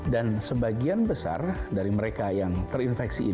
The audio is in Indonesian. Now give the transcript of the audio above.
dan sebagian besar dari mereka yang terinfeksi